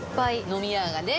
飲み屋がね。